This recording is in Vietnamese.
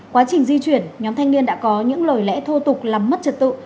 quá trình di chuyển nhóm thanh niên đã có những lời lẽ thô tục làm mất trật tự